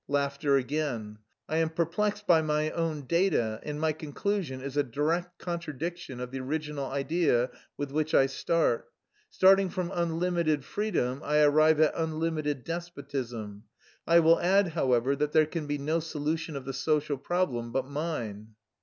(Laughter again.) "I am perplexed by my own data and my conclusion is a direct contradiction of the original idea with which I start. Starting from unlimited freedom, I arrive at unlimited despotism. I will add, however, that there can be no solution of the social problem but mine."